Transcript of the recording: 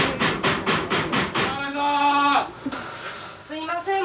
すいません